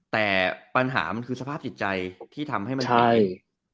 แต่ปัญหามันคือสภาพจิตใจที่ทำให้มันเห็น